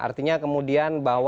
artinya kemudian bawa nama berikutnya